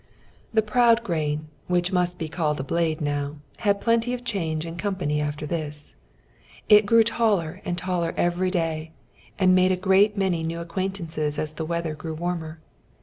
The proud grain, which must be called a blade now, had plenty of change and company after this. It grew taller and taller every day, and made a great many new acquaintances as the weather grew warmer.